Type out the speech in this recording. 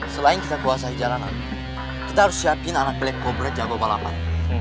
selain kita kuasai jalanan kita harus siapin anak belakobrat jago balapan